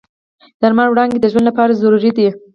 د لمر وړانګې د ژوند لپاره ضروري دي.